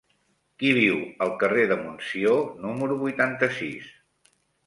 Qui viu al carrer de Montsió número vuitanta-sis?